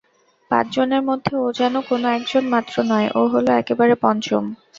পাঁচজনের মধ্যে ও যে-কোনো একজন মাত্র নয়, ও হল একেবারে পঞ্চম।